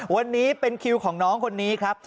วันนี้เป็นคิวของน้องคนนี้ครับ